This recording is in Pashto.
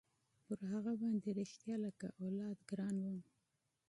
پر هغه باندې رښتيا لكه اولاد ګران وم.